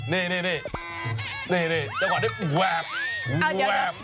นี่นี่นี่นี่นี่จังหวะได้อุวแหวบอุวแหวบ